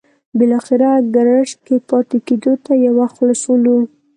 بالاخره ګرشک کې پاتې کېدو ته یو خوله شولو.